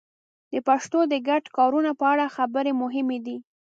د پښتو د ګډو کارونو په اړه خبرې مهمې دي.